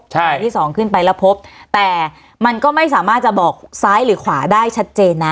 อันที่สองขึ้นไปแล้วพบแต่มันก็ไม่สามารถจะบอกซ้ายหรือขวาได้ชัดเจนนะ